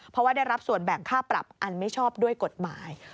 เพราะว่าได้รับส่วนแบ่งค่าปรับอันไม่ชอบด้วยกฎหมาย